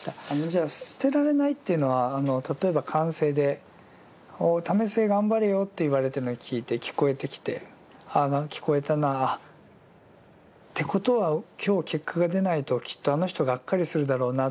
じゃあ捨てられないというのは例えば歓声で「為末頑張れよ」って言われてるのが聞こえてきて「ああ聞こえたな。ってことは今日結果が出ないときっとあの人がっかりするだろうな」。